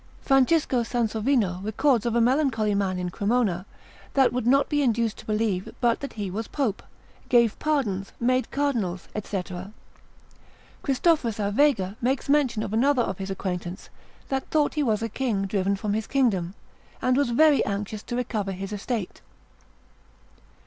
Francisco Sansovino records of a melancholy man in Cremona, that would not be induced to believe but that he was pope, gave pardons, made cardinals, &c. Christophorus a Vega makes mention of another of his acquaintance, that thought he was a king, driven from his kingdom, and was very anxious to recover his estate.